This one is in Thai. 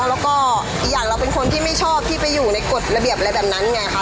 แล้วก็อีกอย่างเราเป็นคนที่ไม่ชอบที่ไปอยู่ในกฎระเบียบอะไรแบบนั้นไงคะ